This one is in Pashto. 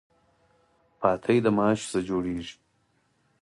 پاتی د ماشو څخه جوړیږي.